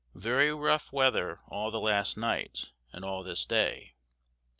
"Very ruff weather all the last night, and all this day.